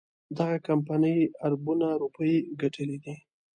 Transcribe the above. دغه کمپنۍ اربونه روپۍ ګټلي دي.